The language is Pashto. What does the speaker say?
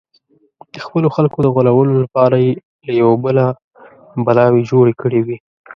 د خپلو خلکو د غولولو لپاره یې له یوه بله بلاوې جوړې کړې وې.